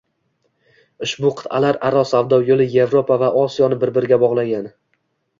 Ushbu qitʼalararo savdo yoʻli Yevropa va Osiyoni bir-biriga bogʻlagan